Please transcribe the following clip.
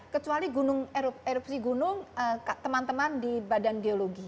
kecuali gunung erupsi gunung teman teman di badan geologi